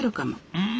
うん！